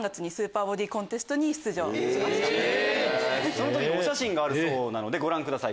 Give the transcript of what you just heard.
その時のお写真があるそうなのでご覧ください